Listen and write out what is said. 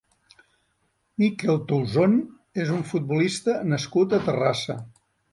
Mikel Touzón és un futbolista nascut a Terrassa.